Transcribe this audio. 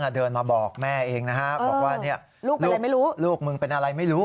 เดินมาบอกแม่เองนะฮะบอกว่าลูกมึงเป็นอะไรไม่รู้